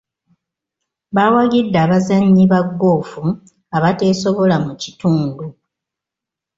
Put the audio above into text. Baawagidde abazannyi ba goofu abateesobola mu kitundu.